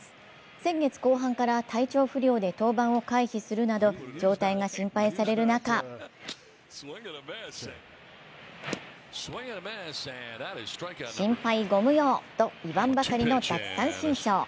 先月後半から体調不良で登板を回避するなど状態が心配される中心配ご無用と言わんばかりの奪三振ショー。